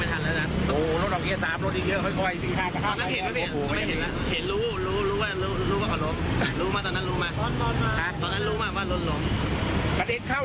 ถ้าผู้โดยสารมีการเนินหลังจากกับที่กัน